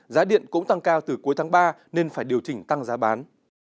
giá điện cũng tăng cao từ cuối tháng ba nên phải điều chỉnh tăng giá bán